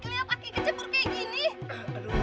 lihat aku kecebur kayak gini